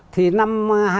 thì năm hai nghìn tám